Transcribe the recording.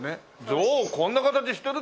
ゾウこんな形してる？